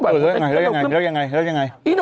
แล้วยังไงแล้วยังไง